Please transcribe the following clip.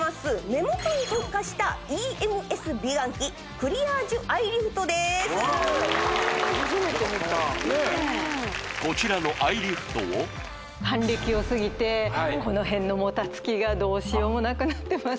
目元に特化したＥＭＳ美顔器初めて見たこちらのアイリフトを還暦をすぎてこの辺のもたつきがどうしようもなくなってます